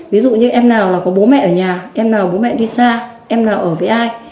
ví dụ như em nào là có bố mẹ ở nhà em nào bố mẹ đi xa em nào ở với ai